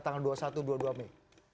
tanggal dua puluh satu dua puluh dua mei